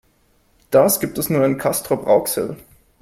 Das gibt es nur in Castrop-Rauxel